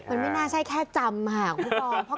มันไม่น่าใช่แค่จำของผู้กอง